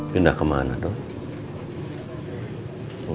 benda kemana dong